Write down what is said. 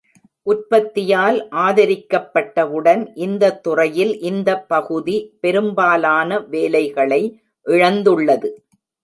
உற்பத்தியால் ஆதரிக்கப்பட்டவுடன், இந்த துறையில் இந்த பகுதி பெரும்பாலான வேலைகளை இழந்துள்ளது.